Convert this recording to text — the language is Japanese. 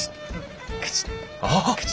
あっ！